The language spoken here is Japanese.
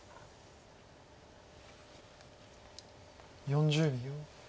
４０秒。